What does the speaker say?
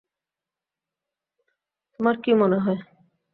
তোমার কী মনে হয়।